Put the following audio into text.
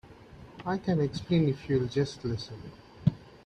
I can explain if you'll just listen.